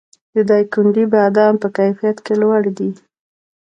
د دایکنډي بادام په کیفیت کې لوړ دي